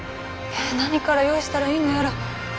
何から用意したらいいのやら。